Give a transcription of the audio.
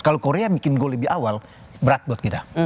kalau korea bikin gol lebih awal berat buat kita